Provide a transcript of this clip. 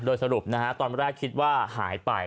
โดยสรุปนะฮะตอนแรกคิดว่าหายไป